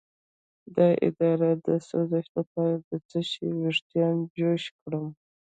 د ادرار د سوزش لپاره د څه شي ویښتان جوش کړم؟